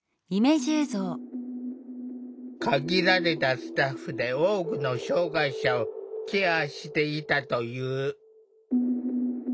限られたスタッフで多くの障害者をケアしていたという。